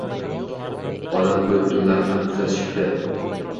Odamqo`yib tunlari ham kuzatishibdi